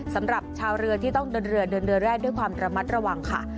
สำหรับชาวเรือที่ต้องเดินเรือเดินเรือแร่ด้วยความระมัดระวังค่ะ